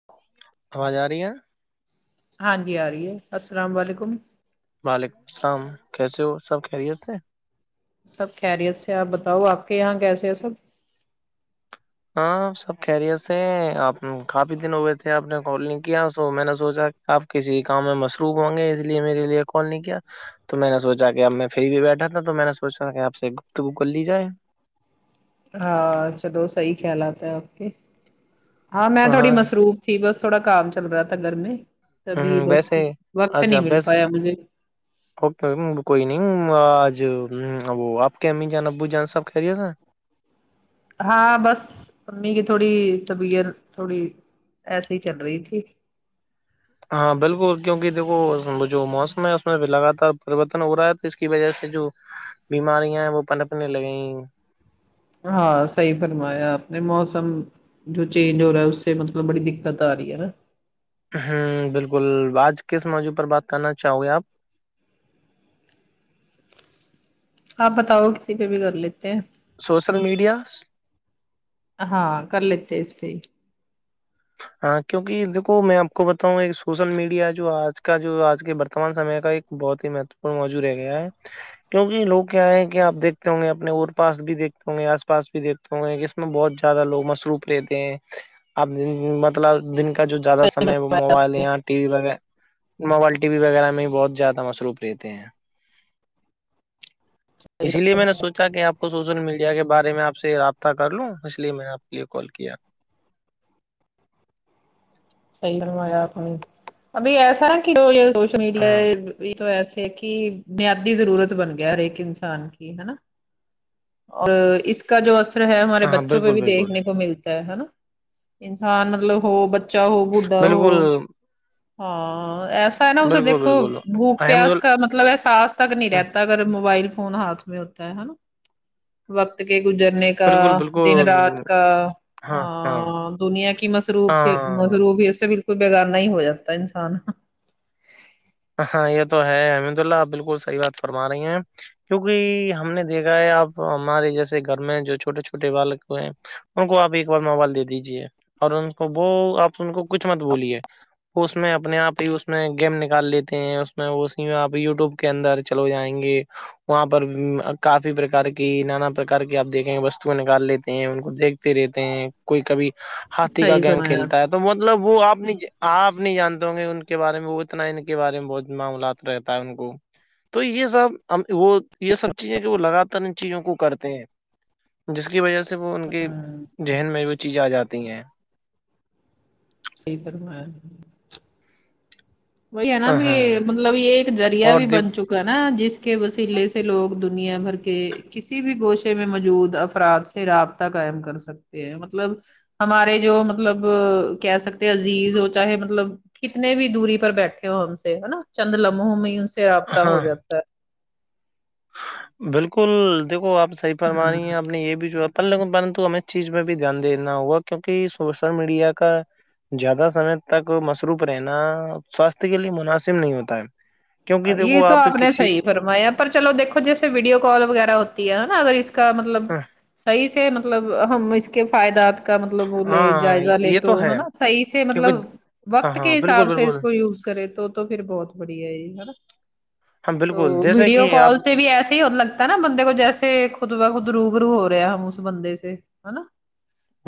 ہاں آواز آ رہی ہے ہاں جی آ رہی ہے السلام و علیکم وعلیکم السلام کیسے ہو سب خیریت سے سب خریت سے آپ بتاؤ آپ کے یہاں کیسے ہیں سب ہاں سب کہرییر تھ ہیں آپ کافی دن ہوئے تھے آپ نے کال نہیں کیا سو میں نے سوچا اپ کسی کام میں مصروف ہوں گے اس لیے میرے لیے کال نہیں تو میں نے سوچا کہ اب میں پھرری بھی بیٹھا تھا تو میں نے سوچا کہ آپ سے گفتگو کر لی جائے ہاں چلو صحی خیالات ہے اوک ہاں میں تھوڑی مصروف جی بس تھوڑا کام چل رہا تھا گھر میں تبھی ہ بس ویسے وقت اچھا نہیں مل بس پایا مجھے اوکے کوئی نہیں آج وہ آپ کے امی جان ابو جان صاحب خریے تھا ہاں بس امی کی تھوڑی طبیعت تھوڑی ایسیے ہی چل رہی تھی ہاں بالکل کیونکہ دیکو جو موسم ہے اس میں بھی لگاتار پریوررتن ہو رہا ہے تو اس کی وجہ سے جو بیماریاں ہیں وہ پلکنے لگی ہاں صحی فرمایا آپ نے موسم جو چینج ہو رہا ہے اس سے مطلب بڑی دقت آ رہی ہے نا ہ بالکل آج کس موضوع پر بات کرنا چاہو گے آپ آپ بتاؤ کسی پہ بھی کر لیتے ہیں سوشل میڈیا ہاں کر لیتے ہیں اس پہ ہاں کیونکہ دھو میں آپ کو بتاؤںا ایک سوشل میڈیا جو آج کا جو آج کے برتمان سمے کا ایک بہت ہی مہتوپورن موجور ہے گا ہے کیوںکہ لوگ کیا ہے کہ آپ دھتے ہوں گے اپنے اور پاس بھی دیکتے ہوں گے آس پاس بھی دیکھتے اس میں بہت زیادہ لوگ مصروف رہتے ہیں اب مطلب دن کا جو زیادہ صحیح سمے ہے وہ فرمایا موبائل آپ یہاں ٹی وی وہ موبائل ٹی وی وغیرہ میں بہت زیادہ مصروف رہتے ہیں اسی لیے میں نے سوچا کہ آپ کو سوشل میڈیا یا کے بارے میں آپ سے رابطہ کر لوں اس لیے میں نے آپ کے لیے کال کیا صحی بنوایا ابھی ایسا ہے کہ سشل ہاں میڈ بھی تو ایسے ہے کہ بنیادی ضرورت بن گیا اور ایک انسان کی اور اس کا جو ہمارے ہاں بچوں پہ بالکل بھی بالکل دیکھنے کو ملتا ہے نا انسان مطلب ہو [unintelligible] بالکل نا اسے بالکل دیکو بالکل بوک احمد پیاس ال کا مب مطلب احساس تک نہیں رہتا اگر موبائل فون ہاتھ میں ہوتا ہے نا وقت کے گزرنے کا بالکل دن بالکل رات کا ہاں ہاں ہ دنیا کی مصروف سے ہاں مصرو بھیڑ سے بالکل بگار نہیں ہو جاتا انسان ہاں یہ تو ہے احمد اللہ آ بالکل صحیح بات فرما رہی ہیں کیونکہ ہم نے دیکھا ہے اب ہمارے جیسے گھر میں جو چھوٹے چھوٹے بالک ہیں ان کو آپ ایک بار موبائل دے دیجیے اور ان کو وہ آپ ان کو کچھ مت بولیے اس میں اپنے آپ ہی اس میں گیم نکال لیتی ہیں اس میں وہ آپ یوٹیوب کے اندر چلو جائیں گے وہاں پر کافی پرکار کی نانا پرار کی آپ دیکھیں گے وستوں نکال لیتے ہیں ان کو دیکھ رہتے ہیں کوئی کبھی ہاتھی کا صحیح گیم فرمایا کھیلتا ہے آپ تو مطلب وہ آپ آپ نہیں جانتے ہ گے ان کے بارے میں وہ اتنا کے بارے میں بہت معاملات رہتا ہے ان کو تو یہ سب وہ یہ سب چیزیں کہ وہ لگاتار ان چیزوں کو کرتے ہیں جس کی وجہ سے وہ ان کے نے، ذہن میں وہ چیزیں آ جاتی ہیں صحیح فرمایا وہی ہے نا بھی ہاں مطلب یہ ایک رییا اور بھی دیک بن چکا نا جس کے وسیلے سے لوگ دنیا بھر کے کسی بھی گوشے میں موجود افراد سے رابطہ قائم کر سکتے ہیں مطلب ہمارے جو مطلب کہہ سکتے عزیز ہو چاہے مطلب کتنے بھی دوری پر بیٹھے ہو ہم سے ہے نا چند لمح میں ہی ان سے رابطہ ہاں ہو جاتا ہے بالکل دیکھو آپ صحیح فرم رہی ہیں آپ ہاں نے یہ بھی جو پ لن پرنت ہمیں چیز پہ بھی دھیان دینا ہوگا کیونکہ سوشل میڈیا کا زیادہ سمے تک مصروف رہنا سواستھ کے لیے مناسب نہیں ہوتا ہے کیونکہ یہ دیکھو تو آپ نے کسی صحی فرمایا پر چلو دیکھو جیسے ویڈیو کال وغیرہ ہوتی ہے نا اگر اس کا مطلب صحیح سے مطلب ہم اس کے فائدات کا مطلب وہ لے جائزہ لے تو ہے نا صحیح سے مطلب کیونکہ ہاں وقت ہاں کے بالکل حساب سے اس بالکل کو یوز کرے تو پھر بہت بڑھیا یہ ہے نا ہاں تو بالکل جیسے ویڈیو کہ آپ کال سے بھی ایسے ہی ملگ نا بندے کو جیسے خود و خود روبرو ہو رہا ہے اس بندے سے ہے نا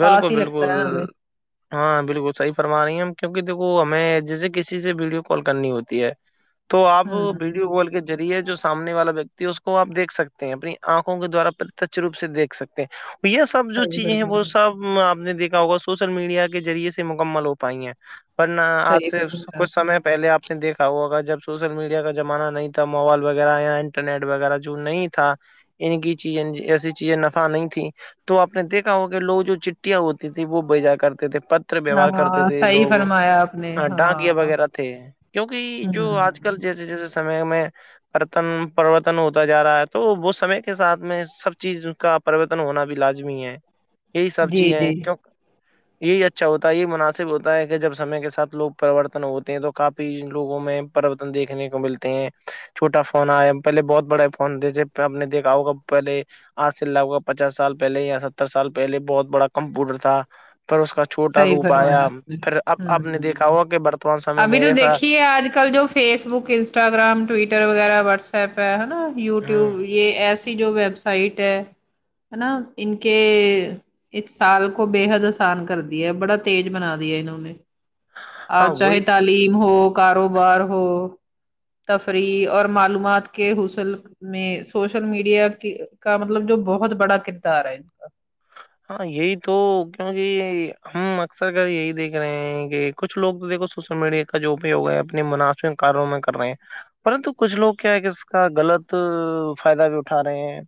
پاس ہی لگتا بالکل ہے ہمیں ہاں بالکل صحی فرما رہی ہیں ہم کیونکہ دیکو ہمیں جیسے کسی سے ویڈیو کال کرنی ہوتی ہے تو آپ ویڈیو ہوں کال کے ذریعے جو سامنے والا ویکتی ہے اس کو آپ دھ سکتے ہیں اپنی آنکھوں کے دوارا پرتچھ روپ سے دھ سکتے یہ سب جو صحیح چیزیں ہیں وہ فرمایا سب آپ نے دیکھا ہوگا سوشل میڈیا کے ذریعے سے مکمل ہو پائی ہیں ن آج صحیح سے فرمایا کچھ آپ نے سمے پہلے آپ نے دیکھا ہوا اگر جب سوشل میڈیا کا زمانہ نہیں تھا موبائل وغیرہ یا انٹرنیٹ وغیرہ جو نہیں تھا ان کی چیزیں ایسی چیزیں نفع نہیں تیں تو آپ نے دیکھا ہو لوگ جو چٹیاں ہوتی تیں وہ بجا کرتے تھے پت ہاں ویوہار کرتے ہاں تھے صحیح لوگ فرمایا آپ نے ڈانگیا ہاں وغیرہ تھے کیونکہ جو آج کل ہوں جیسے جیسے سمے میں رتن پروررتن ہوتا جا رہا ہے تو وہ سمے کے ساتھ میں سب چیز کا پرریوررتن ہونا بھی لازمی ہے یہی سب چیز جی ہے جی کی یہی اچھا ہوتا ہے یہی مناسب ہوتا ہے کہ جب سمے کے ساتھ لوگ پرورتن ہوتے ہیں تو کافی لوگوں میں پرورتن دیکھنے کو ملتے ہیں چھوٹا فون آیا پہلے بہت بڑے فون دھے ہم نے دیکھا ہوگا پہلے آج سےوں کا پچاس سال پہلے یا ستر سال پہلے بہت بڑا کمپیوٹر تھا پھر اس کا چھوٹا صحیح روپ فرمایا آیا آپ نے پھر اب آپ نے دیکھا ہوا کہ برتمان سم میں ایسا یہ آج کل جو فیس بک انسٹاگررام ٹویٹر وغیرہ وٹس ایپ ہےا ہ وٹیوب یہ ایسی جو ویب سائٹ ہے ہے نا ان کے اس سال کو بے حد آسان کر د بڑا تز بنا دی ہے اننوں نے آ ہاں وہی چاہے تالی تعم ہو کاروبار ہو تفریح اور معلومات کے حسل میں سوشل میڈیا کی کا مطلب جو بہت بڑا کردار ہے ان کا ہاں یہی تو کیونکہ ہم اکثر گ یہی دیکھ رہے ہیں کہ کچھ لوگ تو دیکو سوشل میڈیا کا جو اپیوگ ہے اپنے مناسمک کاروں میں کر رہے ہیں پرتو کچھ لوگ کیا ہے کہ اس کا غلط فائدہ بھی اٹھا رہے ہیں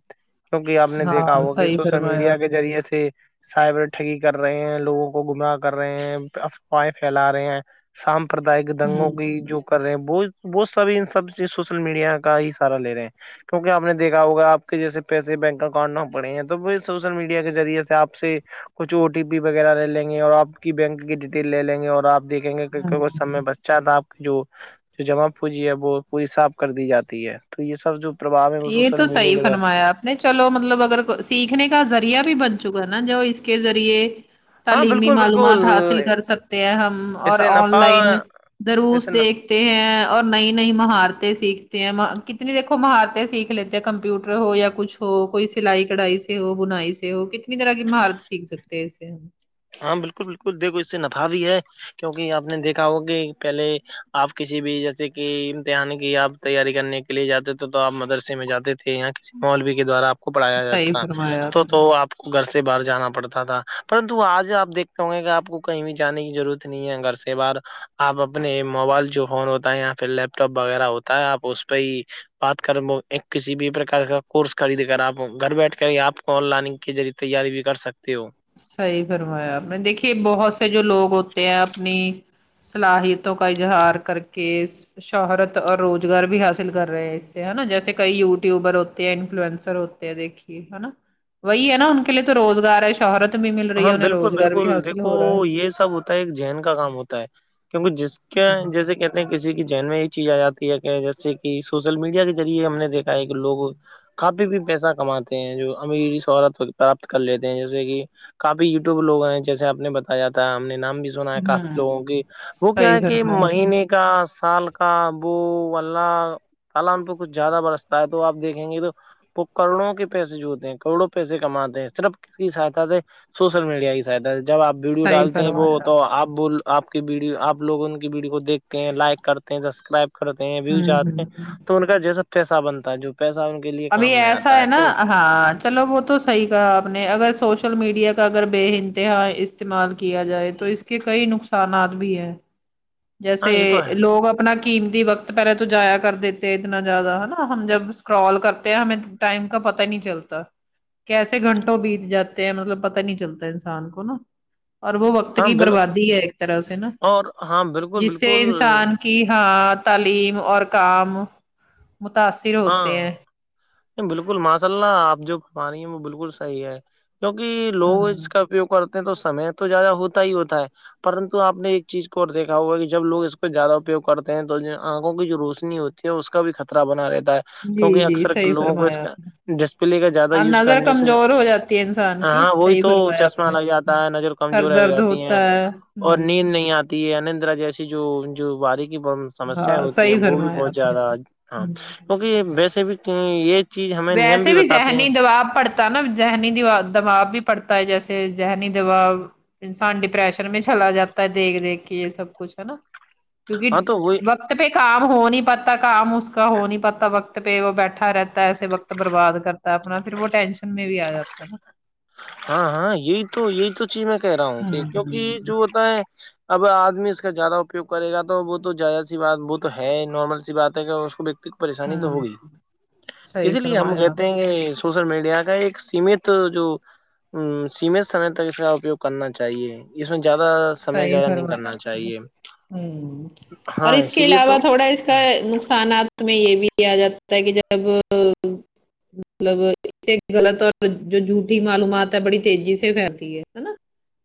کیوںک آ نے دیکھا ہاں ہوگ صحیح سوشل فرمایا میڈیا کے ذریعے سے سائبر ٹگی کر رہے ہیں لوگوں کو گمراہ کر رہے ہیں افواہیں پھیلا رہے ہیں سامپردائک دنگوں کی ہمم جو کر رہے ہیں وہ وہ سب سب چیز سوشل میڈیا کا ہی ا سہارہ لے رہے ہیں کیونک آپ نے دیکا ہوگا آپ کے جیس پیسے بینک اکاؤنٹ نہ پڑے ہیں تو وہ سوشل میڈیا کے ذریعے سے آپ سے کچھ او ٹی پی وغیرہ لے لیں گے اور آپ کی بینک کی ڈیٹیل لے لیں گے اور آپ دیکھیں گے ک سم ہمم میں بچ چاند آپ کی جو جمع پوجی ہے وہ پوری صاف کر دی جاتی ہے تو یہ سب جو پرباؤ ہے وہ یہ سوشل تو میڈیا صحی کے دوارا فرمایا آپ نہیں چلو مطلب اگر سیکھنے کا ذریعہ بھی بن چکا ہے نا جو اس کے ذریعے ہاں تعلیمی بالکل بالکل معلومات حاصل کر سکتے ہیں ہم اور اسے آن نفع لائن دروس اسے دیکھ ستے ہیں اور نئی نئی مہارتیں سیکھتے ہیں کتنی دیکھو مہارت سیکھ لیتے ہیں کمپیوٹر ہو یا کچھ ہو کوئی سلائی کڑھائی سے ہو بنائی سے ہو کتنی طرح کی مہارت سیکھ سکتے تی سےے ہم ہاں بالکل بالکل دیکھو اس سے نفع بھی ہے کیوںکہ آپ نے دیکھا ہو کہ پہلے آپ کسی بھی جیسے کہ امتحان کی آپ تیاری کرنے کے لیے جاتے تھے تو آپ مدرسے میں جاتے تھے یہاں کے مولوی کے دوارا آپ کو پڑھایا جاتا صحیح فرمایا تھا تو نے تو آپ کو گھر سے باہر جانا پڑتا تھا پر تو آج آ دیکھتے ہوں گے کہ آپ کو کہیں بھی جانے کی ضرورت نہیں ہے گھر سے باہر آپ اپنے موبائل جو فون ہوتا ہے یا پھر لیپ ٹاپ وغیرہ ہوتا ہے آپ اس پہ ہی بات کر ایک کسی بھی پرک کا کورس خرید کر آپ گھر بیٹھ کر آپ کون لائنگ کے ذریعے تیاری بھی کر سکتے ہو صحی فرمایا آپ نے دیکھیے بہت سے جو لوگ ہوتے ہیں اپنی صلاحیتوں کا اظہار کر کے شہرت اور روزگار بھی حاصل کر رہے ہیں اس سے ہے نا جیسے کئی یوٹیوبر ہوتے ہیں انفلوئنسر ہو دیکھیے ہے نا وہی ہے نا ان کے لیے تو روزگار ہے شہرت بھی مل رہی ہاں ہے انہیں بالکل روزگار بھی بالکل حاصل دیکھو ہو رہا ہے یہ سب ہوتا ہے ایک جین کا کام ہوتا ہے کیونکہ جس کے جیسے ہوں کہتے کسی کی جین میں یہ چیز آ جاتی ہے کہ جیسے کہ سوشل میڈیا کے ذریعے ہم نے دیکھا ہے کہ لوگ کافی بھی پیسہ کماتے ہیں جو امری سہولت پراپت کر لیتے ہیں جیسے کہ کافی یوٹیوب لوگ ہیں جیسےپ نے بتایا جا ہے ہم نے نام بھی ہونا ہے کافی لوگوں ہوں کے وہ کیا صحیح ہے کہ فرمایا آپ نے مہینے کا سال کاابو وال کالان پہ کچھ زیادہ برستا ہے تو آپ دیکھیں گے تو وہ کروڑوں کے پیسے جوتے ہیں کروڑوں پیسے کماتے ہیں صرف ک کی سہاتا سے سوشل میڈیا کی سہایتا ہے جب آپ ویڈیو صحیح ڈالتے ہیں وہ فرمایا تو آپ بول آپ کی ویڈیو آپ لوگ ان کی ویڈیو کو دیکھتے ہیں لائک کرتے ہیں سبسکرائب کرتے ہیں بھیو ہوں چاہتے ہیں ہوں تو ان کا جیسا پیسہ بنتا ہے جو پیسہ ان کے لیے ابھی کام میں ایسا آتا ہے نا تو ہاں چلو وہ تو صحیح کہا آپ نے اگر سوشل میڈیا کا اگر بے انتہا استعمال کیا جائے تو اس کے کئی نقصانات بھی ہیں جیسے ہاں یہ تو ہے لوگ اب اپنا قیمتی وقت پہلے تو جایا کر دیتے اتنا زیادہ ہے نا ہم جب سکرال کرتے ہیں ہمیں ٹائم کا پتاہ نہیں چلتا کیسے گھنٹوں بیت جاتے ہیں مطلب پتا نہیں چلتا انسان کو نا اور وہ وق پت ہاں کی بال بربادی ہے ایک طرح سے نا اور ہاں بالکل بالکل کہ ہاں تعلیم اور کام متاثر ہوتے ہیں ہاں بالکل ماشاء اللہ آپ جو پھم رہانی ہیں وہ بالکل صحیح ہے کیوںکہ لوگ اس ہاں کا کرتے ہیں تو سمے تو زیادہ ہوتا ہی ہوتا ہے پرنتو آپ نے ایک چیز کو اور دھا ہوا کہ جب لوگ اس کو زیادہ اپیوگ کرتے ہیں تو آنکھوں کی جو روشنی ہوتی اس کا بھی خطرہ بنا رہے جی کیونکہ جی اکثر صحیح لوگوں کو اس فرمایا کا آپ نے ڈسپلے کا زیادہ اور یوز نظر کرنے سے جو کمزور ہو جاتی ہے انسان کی ہاں وہی صحیح تو فرمایا آپ چشمہ نے لگ ہوں، جاتا ہے نظر سر کمزور ہو درد جاتی ہے ہوتا اور ہ نیند نہیں آتی یہ انندرا جیسی جو جو بارییکی سمسیا ہاں ہوتی ہیں صحیح وہ بھی فرمایا بہت آپ نے زیادہ ہاں ہوں، کیونکہ ویسے بھی یہ چیز ہمیں نیم ویسے بھی بتاتے ذہنی ہیں دبااب پڑتا پتا نا ذہنیا دبااب بھی پڑتا ہے جیسے ذہنی دباؤ انسان ڈپریشن میں چلا جاتا ہے دیکھ دیکھ کے یہ سب کچھ ہے نا کیونکہ ہاں تو وہی وقت پہ کام ہو نہیں پاتا کام اس کا ہو نہیں پاتا وقت وت پہ وہ بیٹھا رہتا ہے ایسے وقت برباد کرتا ہے اپنا پھر وہ ٹینشن میں بھی آ جاتا ہے نا ہاں ہاں یہی تو یہی تو چیز میں کہہ رہا ہوں کہ کیونکہ جو ہوتا ہے اب آدمی اس کا زیادہ اپیوگ کرےا تو وہ تو زیادہ سی بات وہ تو ہے نارمل سی بات ہے کہ اس کو پریشانی تو ہوں ہو گئی صحیح اسی لیے ہم فرمایا آپ کہتے نے، ہیں کہ سوشل میڈیا کا ایک سیمت جو ہ سیمت سمے تک اس کا اپیوگ کرنا چاہیے اس میں زیادہ سمے صحیح زیادہ نہیں کرنا فرمایا آپ نے چاہیے ہوں اور ہاں اس اسی کے لیے تو علاوہ تھوڑا اس کا نقصانات میں یہ بھی آ جاتا ہے کہ جب مطلب اس سے غلط اور جو جھوٹھی معلومات ہے بڑی تیزی سے پھیلتی نا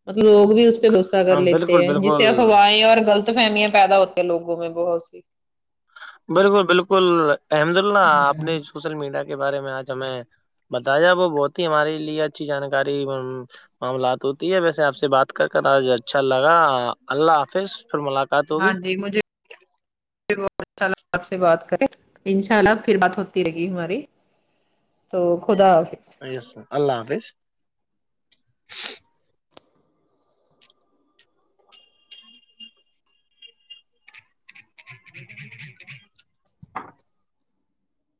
مطلب لوگ بھی اس پہ سہ کر ہاں لیتے بالکل ہیں بالکل جسے افوائیں اور غلط فہمیاں پیدا ہوتی ہیں لگوں میں بہت سی بالکل بالکل احمد اللہ آپ نے ہوں سوشل میڈیا کے بارے میں آج ہمیں بتایا وہ بہت ہی ہمارے لیے اچھی جانکاری معاملات ہوتی ہے ویسے آپ سے بات کر کر آج اچھا لگا اللہ حافظ پھر ملاقات ہاں جی مجھے جی انءلہ آپ سے بات کریں انشاء اللہ پھر بات ہوتی رہےی ہماری تو خدا حافظ اللہ حافظ [unintelligible]